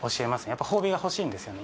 やっぱ褒美が欲しいんですよね。